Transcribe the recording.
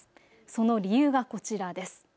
その理由がこちらです。